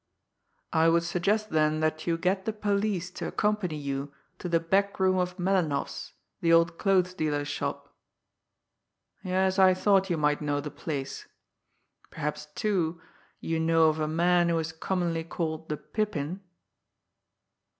... I would suggest then that you get the police to accompany you to the back room of Melinoff's, the old clothes dealer's shop.... Yes, I thought you might know the place. Perhaps, too, you know of a man who is commonly called the Pippin?